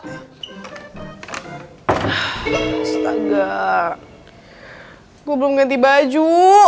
astaga gue belum ganti baju